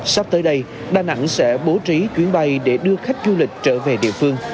sắp tới đây đà nẵng sẽ bố trí chuyến bay để đưa khách du lịch trở về địa phương